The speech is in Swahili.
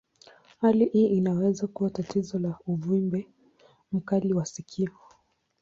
Hali hii inaweza kuwa tatizo la uvimbe mkali wa sikio.